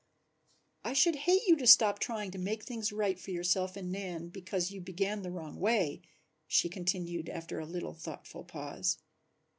"I should hate you to stop trying to make things right for yourself and Nan because you began the wrong way," she continued after a little thoughtful pause.